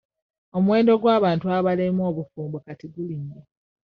Omuwendo gw'abantu abalemwa obufumbo kati gulinnye.